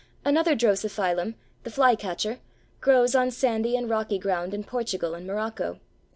Another Drosophyllum, the Fly Catcher, grows on sandy and rocky ground in Portugal and Morocco.